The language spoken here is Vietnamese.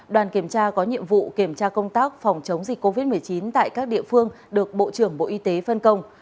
đoàn kiểm tra có nhiệm vụ kiểm tra công tác phòng chống dịch covid một mươi chín tại các địa phương được bộ trưởng bộ y tế phân công